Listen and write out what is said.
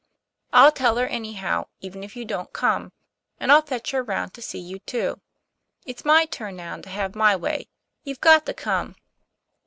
"I'll tell her anyhow, even if you don't come., and I'll fetch her round to see you, too. It's my turn now to have my way. You've got to come."